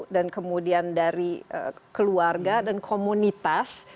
dan kemudian dari keluarga dan komunitas